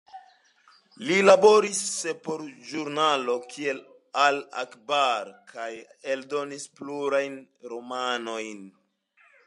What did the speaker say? Li laboris por ĵurnaloj kiel Al-Akhbar kaj eldonis plurajn romanojn.